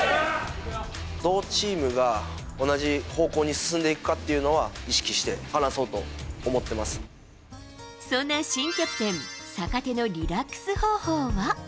どうチームが同じ方向に進んでいくかっていうのは、意識して話そそんな新キャプテン、坂手のリラックス方法は。